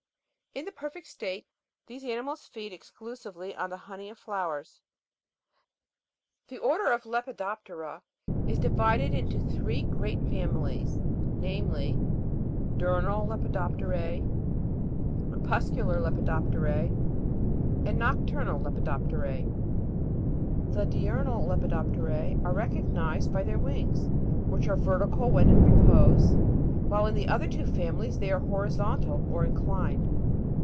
In the perfect state, these animals feed exclusively on CHKVSALID. the honey of flowers. 17. The order of Lepidop'tera is. divided into three great families ; namely, Diurnal Lepidop'terte, Crepuscular Lepidop tercv, and Nocturnal Lepidop'tera. 18. The DIURNAL LEFIDOF'TERJG are recognised by their wings, which are vertical when in repose (fig. 45), while in the other two families they are horizontal or inclined.